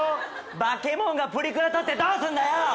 バケモンがプリクラ撮ってどうすんだよ！